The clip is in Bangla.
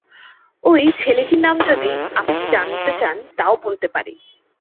ঐ ছেলেটির নাম যদি আপনি জানতে চান, তাও বলতে পারি।